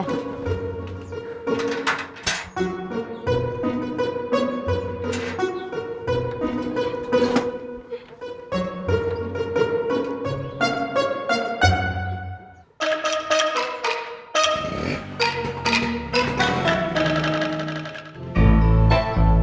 kau mau berangkat